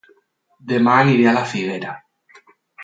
Dema aniré a La Figuera